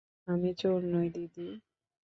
আমি চোর নই, দিদি।